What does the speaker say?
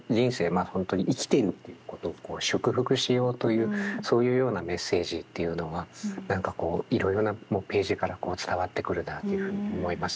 本当に生きているということを祝福しようというそういうようなメッセージっていうのが何かこういろいろなページから伝わってくるなというふうに思いますよね。